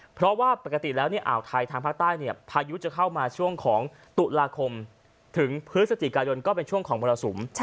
เพราะว่าปกติแล้วอ่าวไทยทางภาคใต้พายุจะเข้ามาช่วงของตุลาคมถึงพฤศจิกายนก็เป็นช่วงของมรสุม